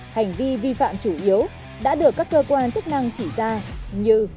hành vi vi phạm chủ yếu đã được các cơ quan chức năng chỉ ra như